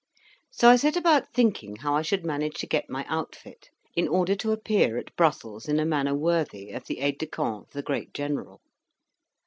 So I set about thinking how I should manage to get my outfit, in order to appear at Brussels in a manner worthy of the aide de camp of the great General.